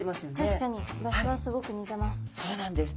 確かに場所はすごく似てます。